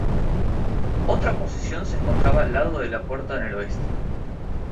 Otra posición se encontraba al lado de la puerta en el oeste.